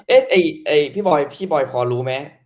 เอ๊ะพี่บอยพอรู้ไหม